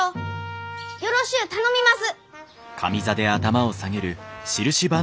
よろしゅう頼みます。